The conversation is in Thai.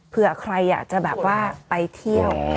เผื่อใครอยากจะแบบว่าไปเที่ยว